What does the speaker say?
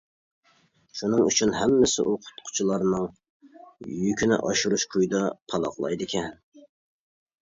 شۇنىڭ ئۈچۈن ھەممىسى ئوقۇتقۇچىلارنىڭ يۈكىنى ئاشۇرۇش كويىدا پالاقلايدىكەن.